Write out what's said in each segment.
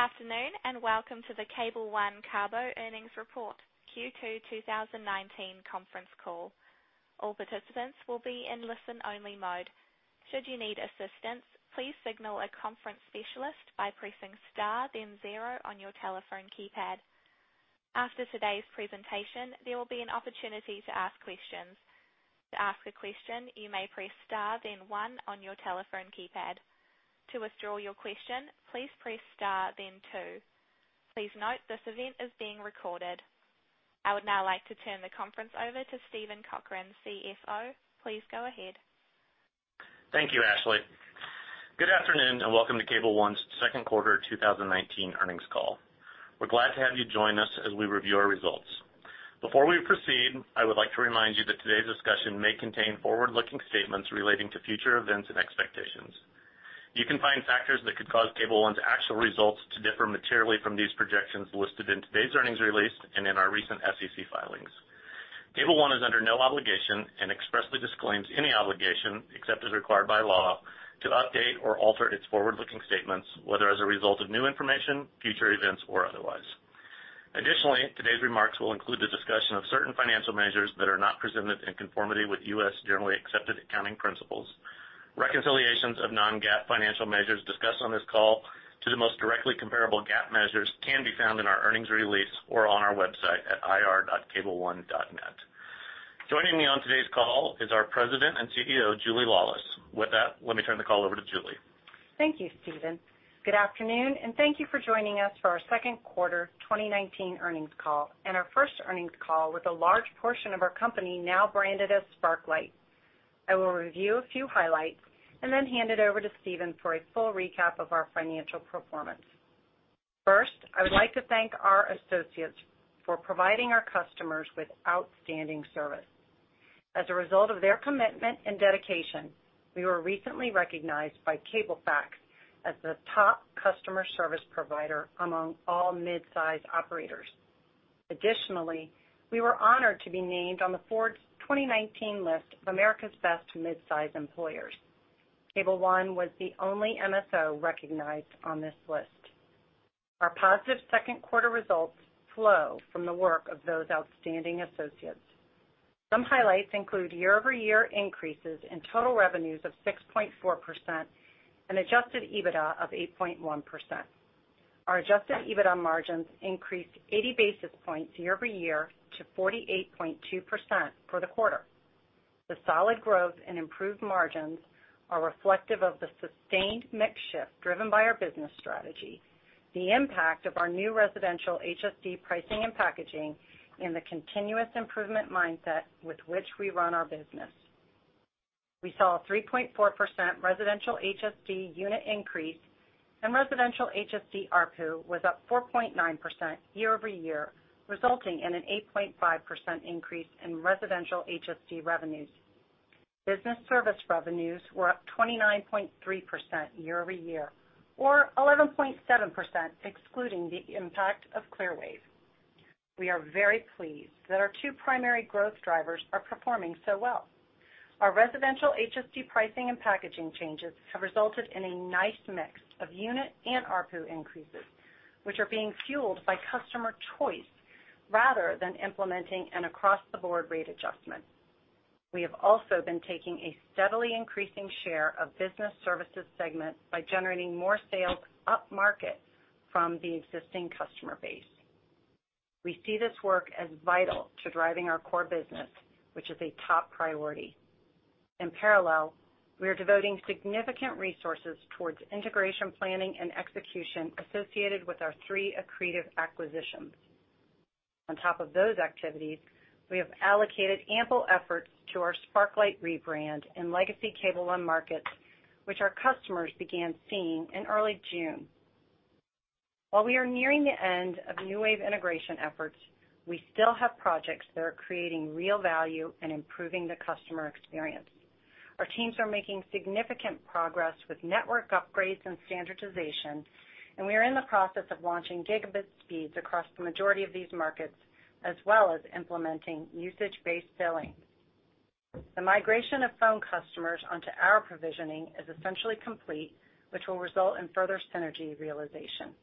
Good afternoon, and welcome to the Cable One Q2 earnings report, Q2 2019 conference call. All participants will be in listen only mode. Should you need assistance, please signal a conference specialist by pressing star then zero on your telephone keypad. After today's presentation, there will be an opportunity to ask questions. To ask a question, you may press star then one on your telephone keypad. To withdraw your question, please press star then two. Please note this event is being recorded. I would now like to turn the conference over to Steven Cochran, CFO. Please go ahead. Thank you, Ashley. Good afternoon, welcome to Cable One's second quarter 2019 earnings call. We're glad to have you join us as we review our results. Before we proceed, I would like to remind you that today's discussion may contain forward-looking statements relating to future events and expectations. You can find factors that could cause Cable One's actual results to differ materially from these projections listed in today's earnings release and in our recent SEC filings. Cable One is under no obligation expressly disclaims any obligation, except as required by law, to update or alter its forward-looking statements, whether as a result of new information, future events, or otherwise. Additionally, today's remarks will include a discussion of certain financial measures that are not presented in conformity with U.S. generally accepted accounting principles. Reconciliations of non-GAAP financial measures discussed on this call to the most directly comparable GAAP measures can be found in our earnings release or on our website at ir.cableone.net. Joining me on today's call is our President and CEO, Julia Laulis. With that, let me turn the call over to Julie. Thank you, Steven. Good afternoon, and thank you for joining us for our second quarter 2019 earnings call and our first earnings call with a large portion of our company now branded as Sparklight. I will review a few highlights and then hand it over to Steven for a full recap of our financial performance. First, I would like to thank our associates for providing our customers with outstanding service. As a result of their commitment and dedication, we were recently recognized by Cablefax as the top customer service provider among all mid-size operators. Additionally, we were honored to be named on the Forbes 2019 list of America's Best Midsize Employers. Cable One was the only MSO recognized on this list. Our positive second quarter results flow from the work of those outstanding associates. Some highlights include year-over-year increases in total revenues of 6.4% and adjusted EBITDA of 8.1%. Our adjusted EBITDA margins increased 80 basis points year-over-year to 48.2% for the quarter. The solid growth and improved margins are reflective of the sustained mix shift driven by our business strategy, the impact of our new residential HSD pricing and packaging, and the continuous improvement mindset with which we run our business. We saw a 3.4% residential HSD unit increase, and residential HSD ARPU was up 4.9% year-over-year, resulting in an 8.5% increase in residential HSD revenues. Business service revenues were up 29.3% year-over-year, or 11.7% excluding the impact of Clearwave. We are very pleased that our two primary growth drivers are performing so well. Our residential HSD pricing and packaging changes have resulted in a nice mix of unit and ARPU increases, which are being fueled by customer choice rather than implementing an across-the-board rate adjustment. We have also been taking a steadily increasing share of business services segment by generating more sales upmarket from the existing customer base. We see this work as vital to driving our core business, which is a top priority. In parallel, we are devoting significant resources towards integration planning and execution associated with our three accretive acquisitions. On top of those activities, we have allocated ample efforts to our Sparklight rebrand in legacy Cable One markets, which our customers began seeing in early June. While we are nearing the end of NewWave integration efforts, we still have projects that are creating real value and improving the customer experience. Our teams are making significant progress with network upgrades and standardization, and we are in the process of launching gigabit speeds across the majority of these markets, as well as implementing usage-based billing. The migration of phone customers onto our provisioning is essentially complete, which will result in further synergy realization.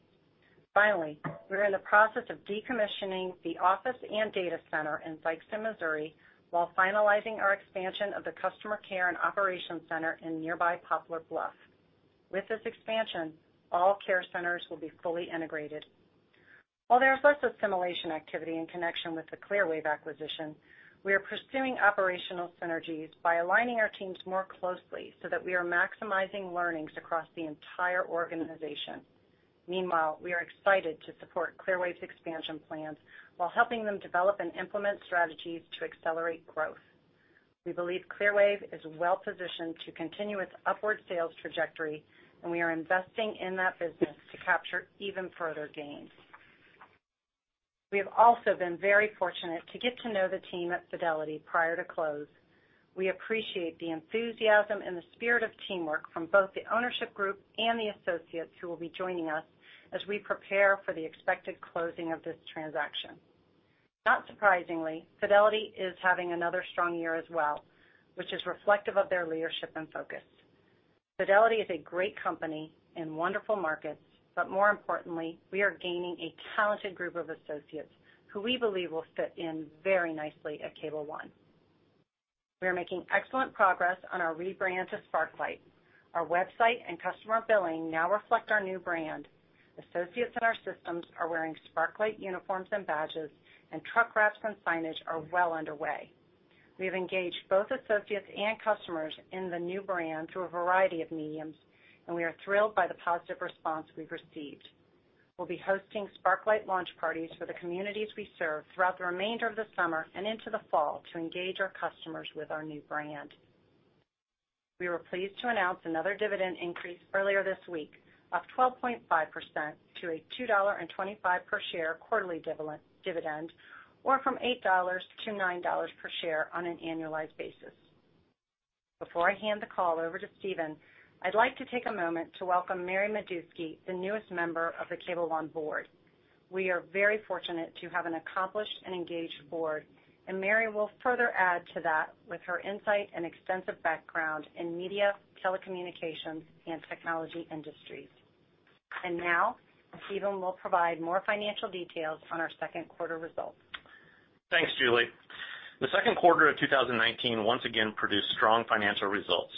Finally, we are in the process of decommissioning the office and data center in Sikeston, Missouri, while finalizing our expansion of the customer care and operations center in nearby Poplar Bluff. With this expansion, all care centers will be fully integrated. While there is less assimilation activity in connection with the Clearwave acquisition, we are pursuing operational synergies by aligning our teams more closely so that we are maximizing learnings across the entire organization. Meanwhile, we are excited to support Clearwave's expansion plans while helping them develop and implement strategies to accelerate growth. We believe Clearwave is well-positioned to continue its upward sales trajectory, and we are investing in that business to capture even further gains. We have also been very fortunate to get to know the team at Fidelity prior to close. We appreciate the enthusiasm and the spirit of teamwork from both the ownership group and the associates who will be joining us as we prepare for the expected closing of this transaction. Not surprisingly, Fidelity is having another strong year as well, which is reflective of their leadership and focus. Fidelity is a great company in wonderful markets, but more importantly, we are gaining a talented group of associates who we believe will fit in very nicely at Cable One. We are making excellent progress on our rebrand to Sparklight. Our website and customer billing now reflect our new brand. Associates in our systems are wearing Sparklight uniforms and badges, and truck wraps and signage are well underway. We have engaged both associates and customers in the new brand through a variety of mediums, and we are thrilled by the positive response we've received. We'll be hosting Sparklight launch parties for the communities we serve throughout the remainder of the summer and into the fall to engage our customers with our new brand. We were pleased to announce another dividend increase earlier this week of 12.5% to a $2.25 per share quarterly dividend, or from $8 to $9 per share on an annualized basis. Before I hand the call over to Steven, I'd like to take a moment to welcome Mary Meduski, the newest member of the Cable One board. We are very fortunate to have an accomplished and engaged board, and Mary will further add to that with her insight and extensive background in media, telecommunications, and technology industries. Now, Steven will provide more financial details on our second quarter results. Thanks, Julia. The second quarter of 2019 once again produced strong financial results.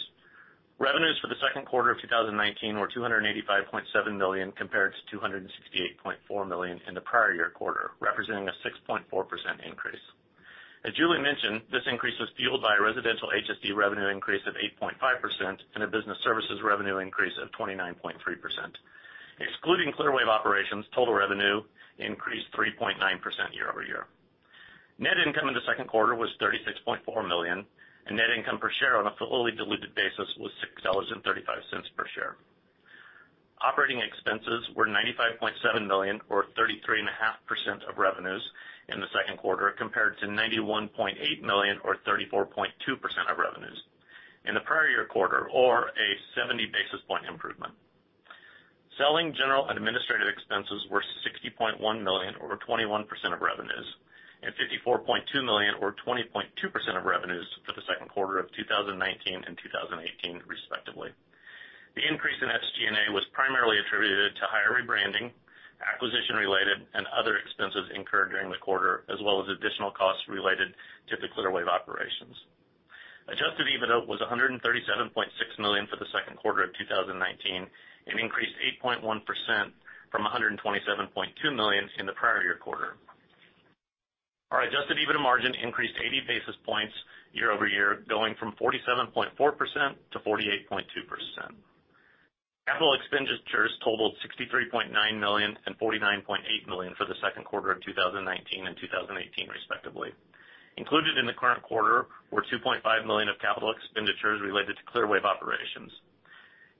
Revenues for the second quarter of 2019 were $285.7 million, compared to $268.4 million in the prior year quarter, representing a 6.4% increase. As Julia mentioned, this increase was fueled by a residential HSD revenue increase of 8.5% and a business services revenue increase of 29.3%. Excluding Clearwave operations, total revenue increased 3.9% year-over-year. Net income in the second quarter was $36.4 million, and net income per share on a fully diluted basis was $6.35 per share. Operating expenses were $95.7 million, or 33.5% of revenues in the second quarter, compared to $91.8 million, or 34.2% of revenues in the prior year quarter, or a 70 basis point improvement. Selling, general, and administrative expenses were $60.1 million or 21% of revenues, and $54.2 million or 20.2% of revenues for the second quarter of 2019 and 2018 respectively. The increase in SG&A was primarily attributed to higher rebranding, acquisition-related, and other expenses incurred during the quarter, as well as additional costs related to the Clearwave operations. Adjusted EBITDA was $137.6 million for the second quarter of 2019 and increased 8.1% from $127.2 million in the prior year quarter. Our adjusted EBITDA margin increased 80 basis points year-over-year, going from 47.4%-48.2%. Capital expenditures totaled $63.9 million and $49.8 million for the second quarter of 2019 and 2018 respectively. Included in the current quarter were $2.5 million of capital expenditures related to Clearwave operations.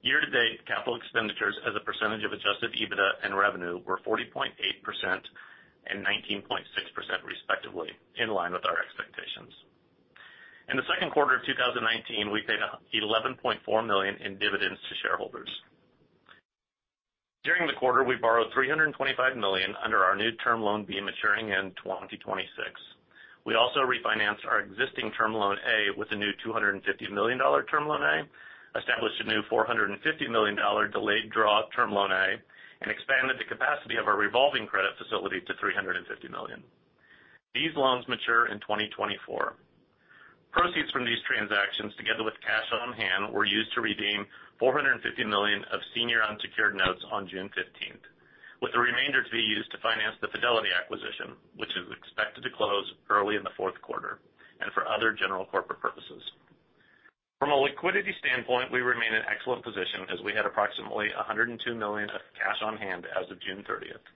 Year-to-date, capital expenditures as a percentage of adjusted EBITDA and revenue were 40.8% and 19.6% respectively, in line with our expectations. In the second quarter of 2019, we paid $11.4 million in dividends to shareholders. During the quarter, we borrowed $325 million under our new Term Loan B maturing in 2026. We also refinanced our existing Term Loan A with a new $250 million Term Loan A, established a new $450 million delayed draw Term Loan A, and expanded the capacity of our revolving credit facility to $350 million. These loans mature in 2024. Proceeds from these transactions, together with cash on hand, were used to redeem $450 million of senior unsecured notes on June 15th, with the remainder to be used to finance the Fidelity acquisition, which is expected to close early in the fourth quarter, and for other general corporate purposes. From a liquidity standpoint, we remain in excellent position as we had approximately $102 million of cash on hand as of June 30th.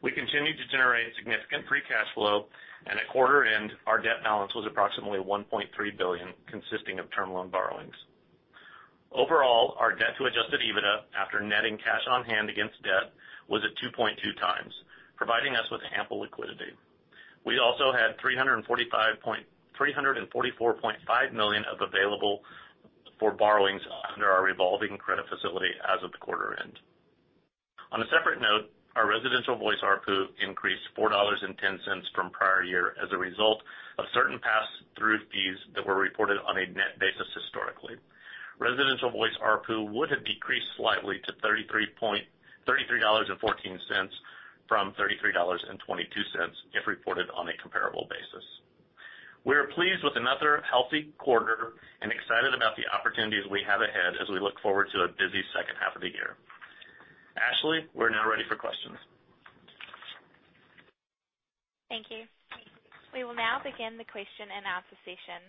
We continue to generate significant free cash flow, and at quarter end, our debt balance was approximately $1.3 billion, consisting of term loan borrowings. Overall, our debt to adjusted EBITDA, after netting cash on hand against debt, was at 2.2 times, providing us with ample liquidity. We also had $344.5 million of available for borrowings under our revolving credit facility as of the quarter end. On a separate note, our residential voice ARPU increased $4.10 from prior year as a result of certain pass-through fees that were reported on a net basis historically. Residential voice ARPU would have decreased slightly to $33.14 from $33.22 if reported on a comparable basis. We are pleased with another healthy quarter and excited about the opportunities we have ahead as we look forward to a busy second half of the year. Ashley, we're now ready for questions. Thank you. We will now begin the question and answer session.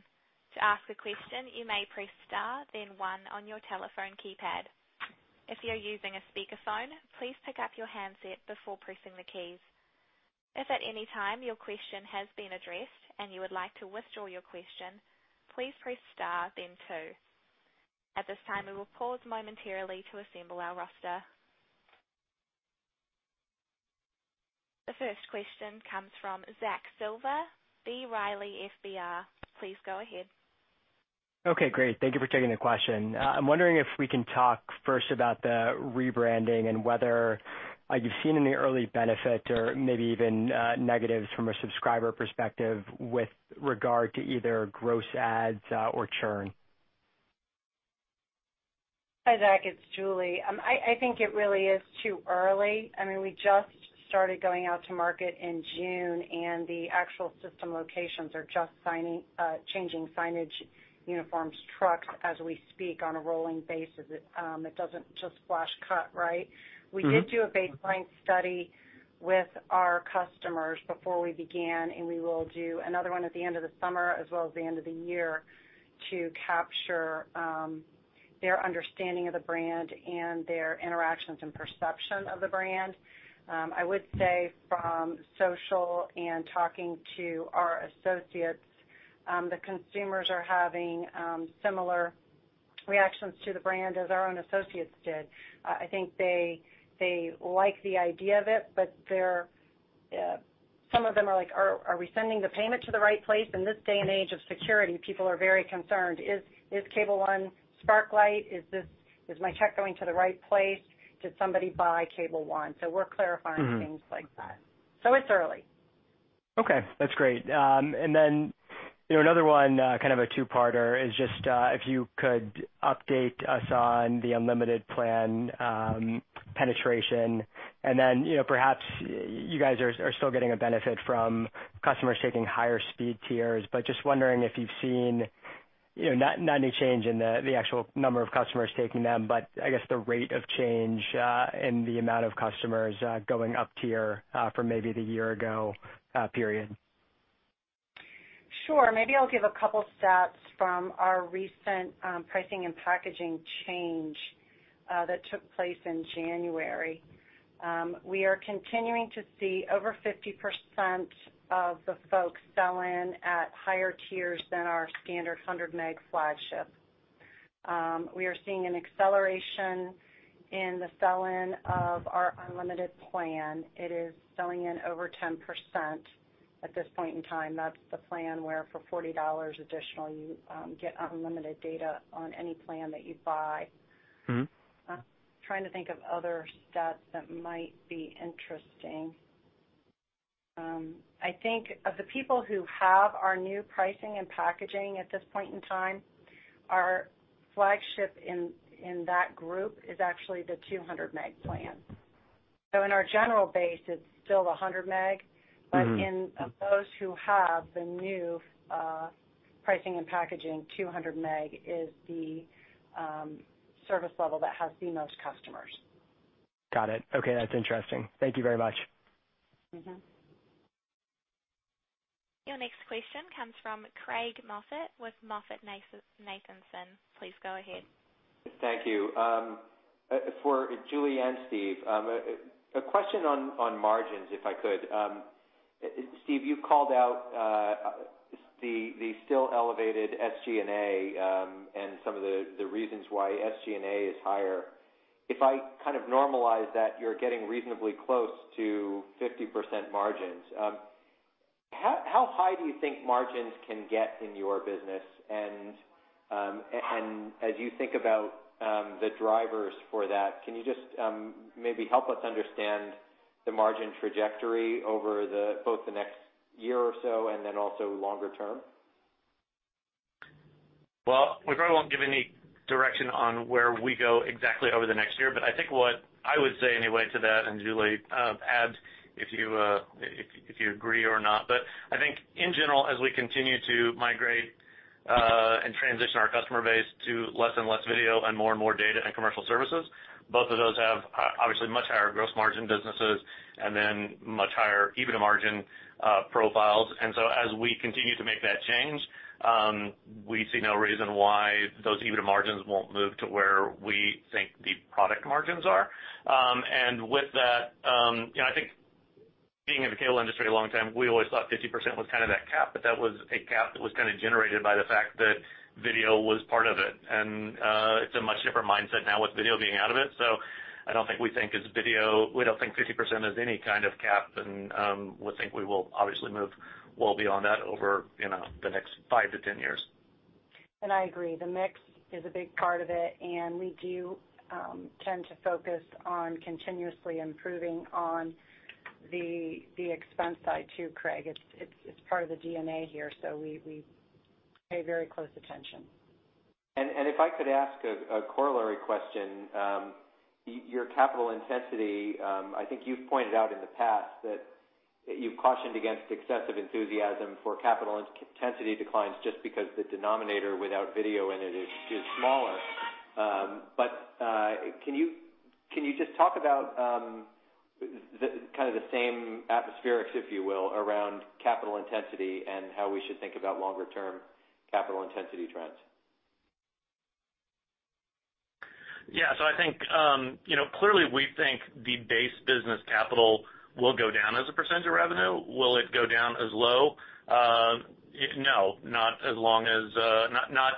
To ask a question, you may press star, then 1 on your telephone keypad. If you're using a speakerphone, please pick up your handset before pressing the keys. If at any time your question has been addressed and you would like to withdraw your question, please press star, then 2. At this time, we will pause momentarily to assemble our roster. The first question comes from Zach Silver, B. Riley FBR. Please go ahead. Okay, great. Thank you for taking the question. I'm wondering if we can talk first about the rebranding and whether you've seen any early benefit or maybe even negatives from a subscriber perspective with regard to either gross adds or churn. Hi, Zach, it's Julie. I think it really is too early. We just started going out to market in June, and the actual system locations are just changing signage, uniforms, trucks as we speak on a rolling basis. It doesn't just flash cut, right? We did do a baseline study with our customers before we began, and we will do another one at the end of the summer, as well as the end of the year, to capture their understanding of the brand and their interactions and perception of the brand. I would say from social and talking to our associates, the consumers are having similar reactions to the brand as our own associates did. I think they like the idea of it, but some of them are like, "Are we sending the payment to the right place?" In this day and age of security, people are very concerned. Is Cable One Sparklight? Is my check going to the right place? Did somebody buy Cable One? We're clarifying things like that. It's early. Okay, that's great. Another one, kind of a two-parter, is just if you could update us on the unlimited plan penetration, and then perhaps you guys are still getting a benefit from customers taking higher speed tiers, but just wondering if you've seen not any change in the actual number of customers taking them, but I guess the rate of change in the amount of customers going up tier from maybe the year ago period. Sure. Maybe I'll give a couple stats from our recent pricing and packaging change that took place in January. We are continuing to see over 50% of the folks sell in at higher tiers than our standard 100 Meg flagship. We are seeing an acceleration in the sell-in of our unlimited plan. It is selling in over 10% at this point in time. That's the plan where for $40 additional, you get unlimited data on any plan that you buy. I'm trying to think of other stats that might be interesting. I think of the people who have our new pricing and packaging at this point in time, our flagship in that group is actually the 200 Meg plan. In our general base, it's still the 100 Meg. Of those who have the new pricing and packaging, 200 Meg is the service level that has the most customers. Got it. Okay, that's interesting. Thank you very much. Your next question comes from Craig Moffett with MoffettNathanson. Please go ahead. Thank you. For Julie and Steve, a question on margins, if I could. Steve, you called out the still elevated SG&A, and some of the reasons why SG&A is higher. If I kind of normalize that you're getting reasonably close to 50% margins, how high do you think margins can get in your business? As you think about the drivers for that, can you just maybe help us understand the margin trajectory over both the next year or so and then also longer term? Well, we probably won't give any direction on where we go exactly over the next year. I think what I would say anyway to that, and Julie add if you agree or not, but I think in general, as we continue to migrate and transition our customer base to less and less video and more and more data and commercial services, both of those have obviously much higher gross margin businesses and then much higher EBITDA margin profiles. As we continue to make that change, we see no reason why those EBITDA margins won't move to where we think the product margins are. With that, I think being in the cable industry a long time, we always thought 50% was kind of that cap, but that was a cap that was kind of generated by the fact that video was part of it. It's a much different mindset now with video being out of it. I don't think we think it's video. We don't think 50% is any kind of cap, and we think we will obviously move well beyond that over the next 5 to 10 years. I agree. The mix is a big part of it, and we do tend to focus on continuously improving on the expense side, too, Craig. It's part of the DNA here, so we pay very close attention. If I could ask a corollary question. Your capital intensity, I think you've pointed out in the past that you've cautioned against excessive enthusiasm for capital intensity declines just because the denominator without video in it is smaller. Can you just talk about kind of the same atmospherics, if you will, around capital intensity and how we should think about longer-term capital intensity trends? Yeah. I think clearly we think the base business capital will go down as a percentage of revenue. Will it go down as low? No, not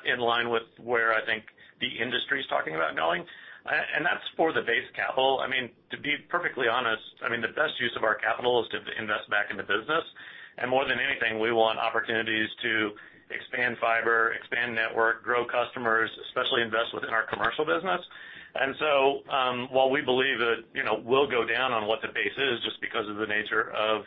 in line with where I think the industry's talking about going, and that's for the base capital. To be perfectly honest, the best use of our capital is to invest back in the business. More than anything, we want opportunities to expand fiber, expand network, grow customers, especially invest within our commercial business. While we believe that we'll go down on what the base is just because of the nature of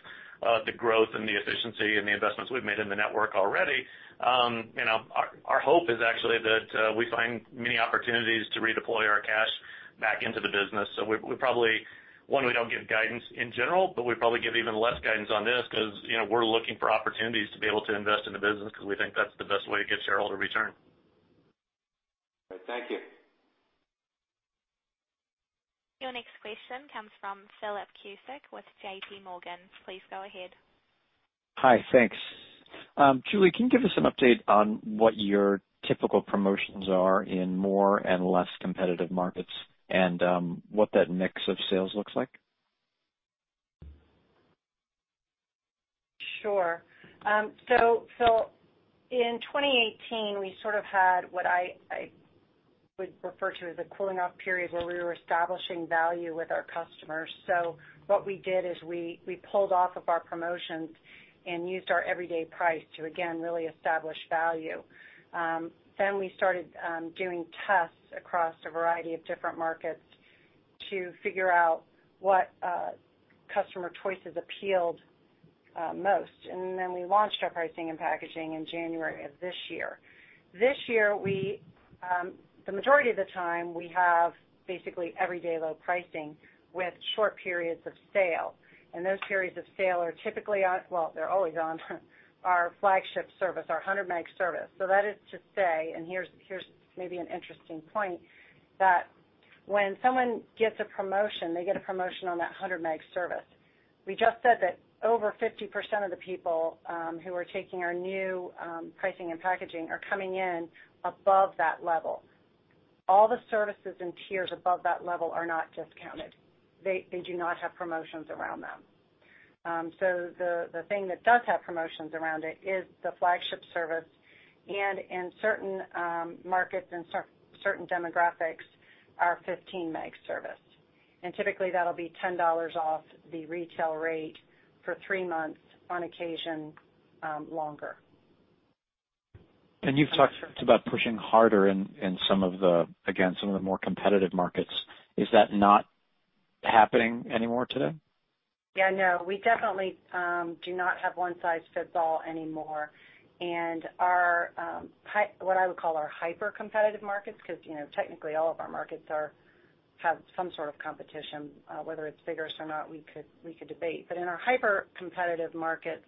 the growth and the efficiency and the investments we've made in the network already, our hope is actually that we find many opportunities to redeploy our cash back into the business. We probably, one, we don't give guidance in general, but we probably give even less guidance on this because we're looking for opportunities to be able to invest in the business because we think that's the best way to get shareholder return. All right, thank you. Your next question comes from Philip Cusick with JPMorgan. Please go ahead. Hi. Thanks. Julie, can you give us an update on what your typical promotions are in more and less competitive markets and what that mix of sales looks like? Sure. Phil, in 2018, we sort of had what I would refer to as a cooling off period where we were establishing value with our customers. What we did is we pulled off of our promotions and used our everyday price to, again, really establish value. We started doing tests across a variety of different markets to figure out what customer choices appealed most. We launched our pricing and packaging in January of this year. This year, the majority of the time, we have basically everyday low pricing with short periods of sale. Those periods of sale are typically on, well, they're always on our flagship service, our 100 Meg service. That is to say, and here's maybe an interesting point, that when someone gets a promotion, they get a promotion on that 100 Meg service. We just said that over 50% of the people who are taking our new pricing and packaging are coming in above that level. All the services and tiers above that level are not discounted. They do not have promotions around them. The thing that does have promotions around it is the flagship service, and in certain markets and certain demographics, our 15 Meg service. Typically, that'll be $10 off the retail rate for three months, on occasion, longer. You've talked about pushing harder in some of the, again, some of the more competitive markets. Is that not happening anymore today? Yeah, no. We definitely do not have one size fits all anymore. What I would call our hyper-competitive markets, because technically all of our markets have some sort of competition, whether it's vigorous or not, we could debate. In our hyper-competitive markets,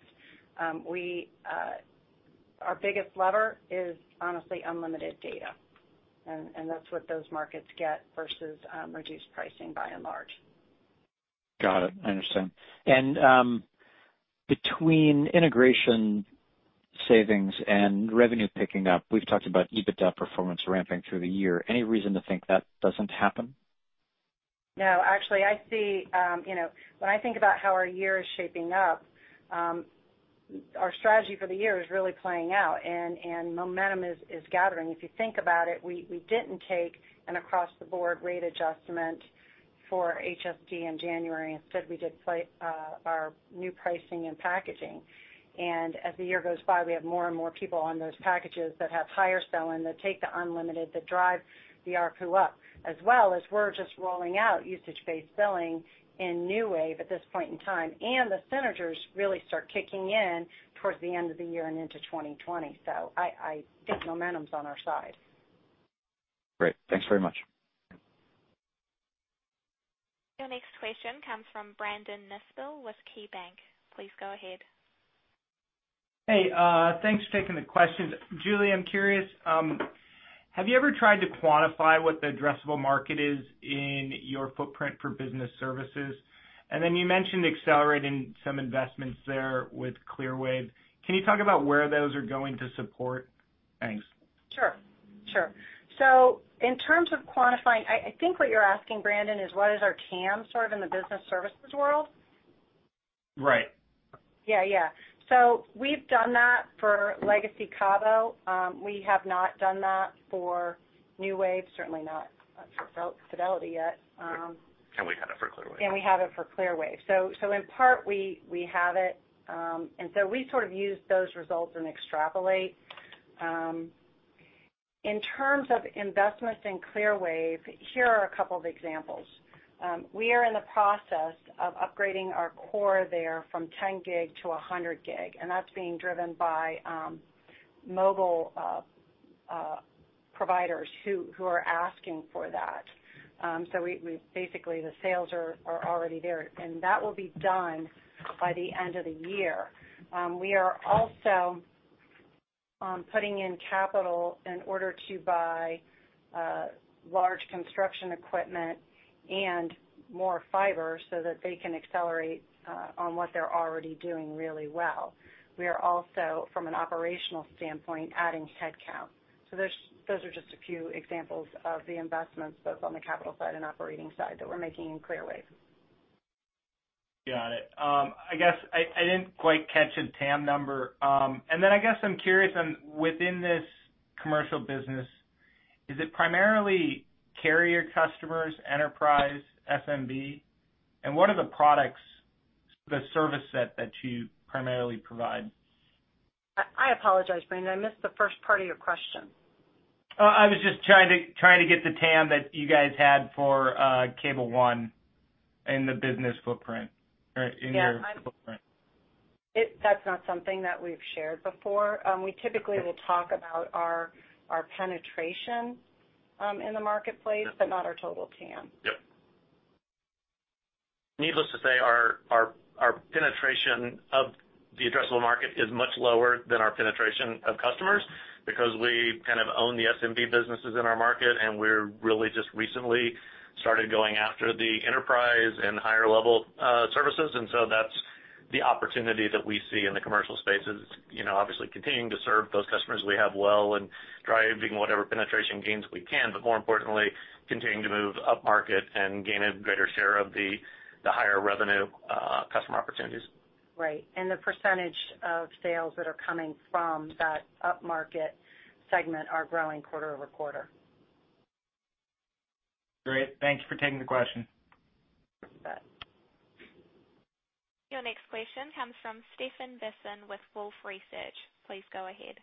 our biggest lever is honestly unlimited data, and that's what those markets get versus reduced pricing by and large. Got it. I understand. Between integration savings and revenue picking up, we've talked about EBITDA performance ramping through the year. Any reason to think that doesn't happen? No, actually, when I think about how our year is shaping up, our strategy for the year is really playing out and momentum is gathering. If you think about it, we didn't take an across-the-board rate adjustment for HSD in January. Instead, we did our new pricing and packaging. As the year goes by, we have more and more people on those packages that have higher sell-in, that take the unlimited, that drive the ARPU up, as well as we're just rolling out usage-based billing in NewWave Communications at this point in time. The synergies really start kicking in towards the end of the year and into 2020. I think momentum's on our side. Great. Thanks very much. Your next question comes from Brandon Nispel with KeyBanc. Please go ahead. Hey, thanks for taking the questions. Julie, I'm curious, have you ever tried to quantify what the addressable market is in your footprint for business services? You mentioned accelerating some investments there with Clearwave. Can you talk about where those are going to support? Thanks. Sure. In terms of quantifying, I think what you're asking, Brandon, is what is our TAM sort of in the business services world? Right. Yeah. We've done that for legacy Cable One. We have not done that for NewWave, certainly not for Fidelity yet. We have it for Clearwave. We have it for Clearwave. In part we have it, we sort of use those results and extrapolate. In terms of investments in Clearwave, here are a couple of examples. We are in the process of upgrading our core there from 10 gig to 100 gig, and that's being driven by mobile providers who are asking for that. Basically, the sales are already there, and that will be done by the end of the year. We are also putting in capital in order to buy large construction equipment and more fiber so that they can accelerate on what they're already doing really well. We are also, from an operational standpoint, adding headcount. Those are just a few examples of the investments, both on the capital side and operating side that we're making in Clearwave. Got it. I guess I didn't quite catch a TAM number. I guess I'm curious on within this commercial business, is it primarily carrier customers, enterprise SMB? What are the products, the service set that you primarily provide? I apologize, Brandon, I missed the first part of your question. Oh, I was just trying to get the TAM that you guys had for Cable One and the business footprint or in your footprint. That's not something that we've shared before. We typically will talk about our penetration in the marketplace, but not our total TAM. Yep. Needless to say, our penetration of the addressable market is much lower than our penetration of customers, because we kind of own the SMB businesses in our market, and we're really just recently started going after the enterprise and higher level services. That's the opportunity that we see in the commercial space is obviously continuing to serve those customers we have well and driving whatever penetration gains we can, but more importantly, continuing to move upmarket and gain a greater share of the higher revenue customer opportunities. Right. The percentage of sales that are coming from that upmarket segment are growing quarter-over-quarter. Great. Thank you for taking the question. You bet. Your next question comes from Stefan Tudor with Wolfe Research. Please go ahead.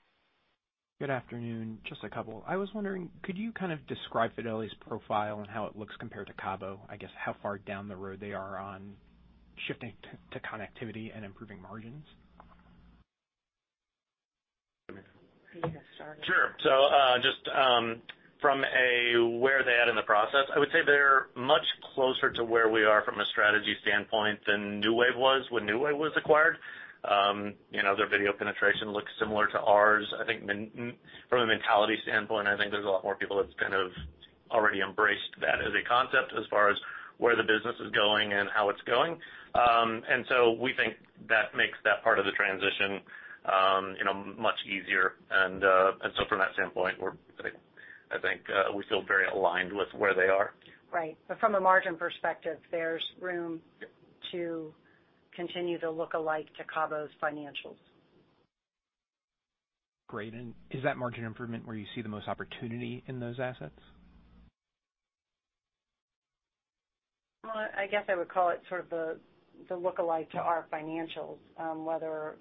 Good afternoon. Just a couple, I was wondering, could you kind of describe Fidelity's profile and how it looks compared to Cable One? I guess how far down the road they are on shifting to connectivity and improving margins. You can get started. Sure. Just from where they're at in the process, I would say they're much closer to where we are from a strategy standpoint than NewWave Communications was when NewWave Communications was acquired. Their video penetration looks similar to ours. I think from a mentality standpoint, I think there's a lot more people that's kind of already embraced that as a concept as far as where the business is going and how it's going. We think that makes that part of the transition much easier. From that standpoint, I think we feel very aligned with where they are. Right. From a margin perspective, there's room to continue to look alike to Cable One's financials. Great. Is that margin improvement where you see the most opportunity in those assets? Well, I guess I would call it sort of the lookalike to our financials, whether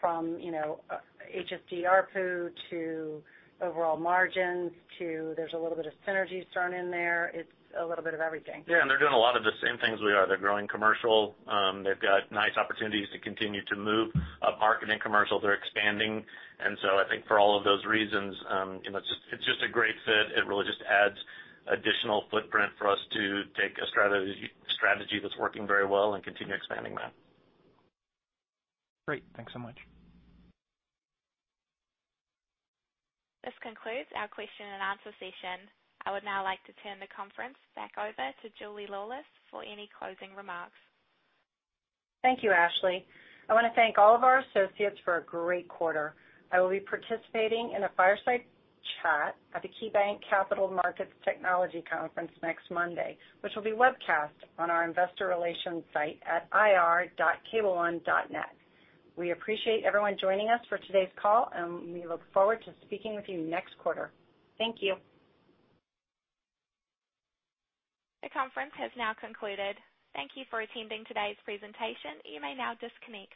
from HSD ARPU to overall margins to there's a little bit of synergies thrown in there. It's a little bit of everything. Yeah, they're doing a lot of the same things we are. They're growing commercial. They've got nice opportunities to continue to move upmarket and commercial. They're expanding. I think for all of those reasons, it's just a great fit. It really just adds additional footprint for us to take a strategy that's working very well and continue expanding that. Great. Thanks so much. This concludes our question and answer session. I would now like to turn the conference back over to Julia Laulis for any closing remarks. Thank you, Ashley. I want to thank all of our associates for a great quarter. I will be participating in a fireside chat at the KeyBanc Capital Markets Technology Conference next Monday, which will be webcast on our investor relations site at ir.cableone.net. We appreciate everyone joining us for today's call, and we look forward to speaking with you next quarter. Thank you. The conference has now concluded. Thank you for attending today's presentation. You may now disconnect.